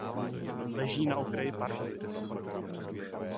Leží na okraji Pardubic.